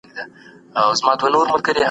دا اصطلاح په وروستیو کلونو کې پېژندل سوې ده.